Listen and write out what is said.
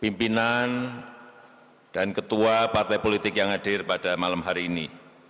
pimpinan dan ketua partai politik yang hadir pada malam hari ini